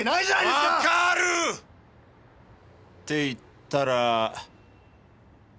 わかる！って言ったら。